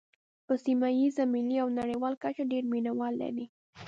په سیمه ییزه، ملي او نړیواله کچه ډېر مینوال لري.